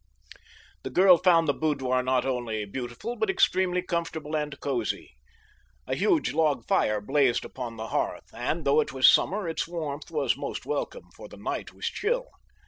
The girl found the boudoir not only beautiful, but extremely comfortable and cozy. A huge log fire blazed upon the hearth, and, though it was summer, its warmth was most welcome, for the night was chill.